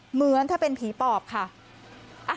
เหมือนถ้าเป็นผีปอบค่ะ